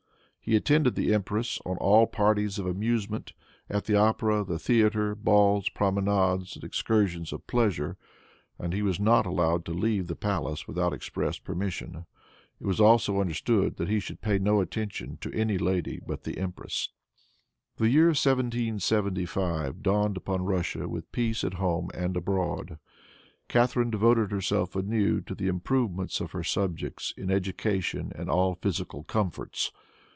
He attended the empress on all parties of amusement, at the opera, the theater, balls, promenades and excursions of pleasure, and he was not allowed to leave the palace without express permission. It was also understood that he should pay no attention to any lady but the empress. The year 1775 dawned upon Russia with peace at home and abroad. Catharine devoted herself anew to the improvement of her subjects in education and all physical comforts.